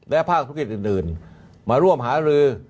และภาคธุรกิจอื่นมาร่วมหารือ